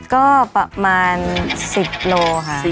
ก็ประมาณ๑๐โลค่ะ